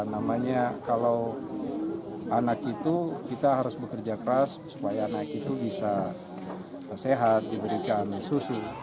namanya kalau anak itu kita harus bekerja keras supaya anak itu bisa sehat diberikan susu